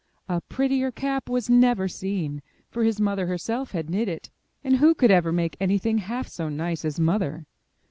A prettier cap was never seen, for his mother herself had knit it; and who could ever make anything half so nice as Mother!